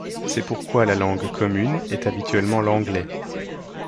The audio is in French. C'est pourquoi la langue commune est habituellement l'anglais.